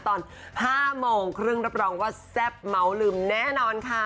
ตอน๕๓๐นรับรองว่าแซ่บเม้าลืมแน่นอนค่ะ